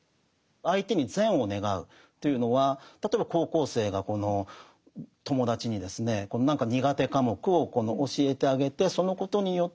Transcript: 相手に善を願うというのは例えば高校生がこの友達にですね何か苦手科目を教えてあげてそのことによって友達がこの試験をクリアしたり